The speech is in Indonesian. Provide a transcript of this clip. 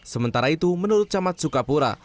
sementara itu menurut camat sukapura